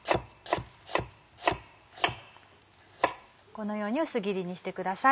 このように薄切りにしてください。